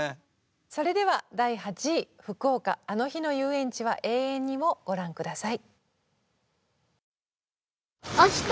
それでは第８位「福岡あの日の遊園地は永遠に」をご覧下さい。